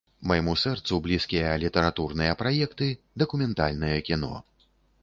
Майму сэрцу блізкія літаратурныя праекты, дакументальнае кіно.